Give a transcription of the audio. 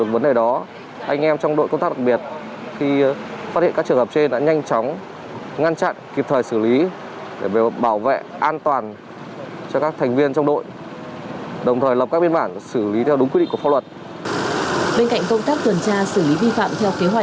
bên cạnh công tác tuần tra xử lý vi phạm theo kế hoạch